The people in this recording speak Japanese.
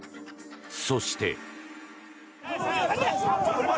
そして。